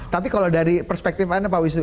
tapi kalau dari perspektif mana pak wisnu